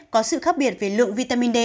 có sự khác biệt về lượng vitamin d